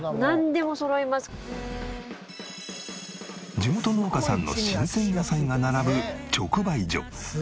地元農家さんの新鮮野菜が並ぶ直売所。